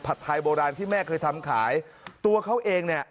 ไทยโบราณที่แม่เคยทำขายตัวเขาเองเนี่ย